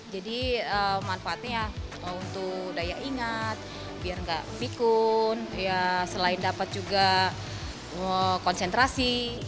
jadi manfaatnya untuk daya ingat biar tidak mikun selain dapat juga konsentrasi